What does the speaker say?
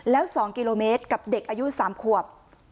แล้ว๒กิโลเมตรกับเด็กอายุ๓ขวบ